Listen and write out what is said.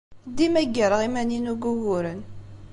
Dima ggareɣ iman-inu deg wuguren.